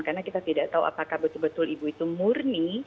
karena kita tidak tahu apakah betul betul ibu itu murni